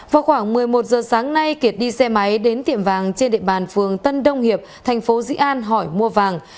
vào khoảng một mươi một giờ sáng nay kiệt đi xe máy đến tiệm vàng trên địa bàn phường tân đông hiệp thành phố dĩ an hỏi mua vàng